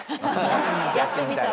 やってみたら？